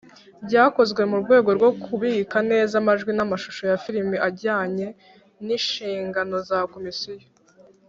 Byakozwe mu rwego rwo kubika neza amajwi n’amashusho ya filimi ajyanye n’inshingano za Komisiyo